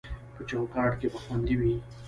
په چوکاټ کې به خوندي وي